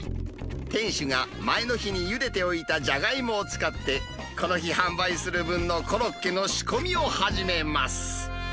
店主が前の日にゆでておいたじゃがいもを使って、この日、販売する分のコロッケの仕込みを始めます。